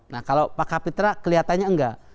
nah kalau pak kapitra kelihatannya enggak